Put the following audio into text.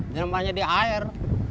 namanya di air